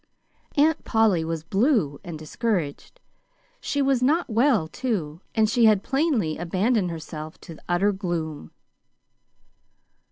Aunt Polly was blue and discouraged. She was not well, too, and she had plainly abandoned herself to utter gloom.